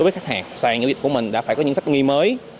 với khách hàng sàn giao dịch của mình đã phải có những cách nghi mới